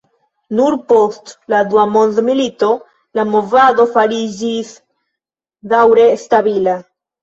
Nur post la dua mondmilito la movado fariĝis daŭre stabila.